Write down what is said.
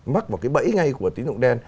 mắc vào cái bẫy ngay của tín dụng đen